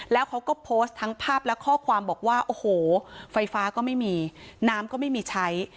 แล้วเขาก็โพสต์ทั้งภาพและข้อความบอกว่าโอ้โหไฟฟ้าก็ไม่มีน้ำก็ไม่มีใช้